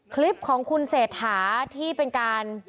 คลิปของคุณเศรษฐาที่เป็นการ